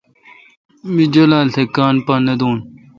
می جولال تھ کاں پا نہ دو۔